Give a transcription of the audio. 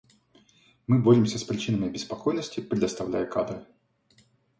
Мы боремся с причинами обеспокоенности, предоставляя кадры.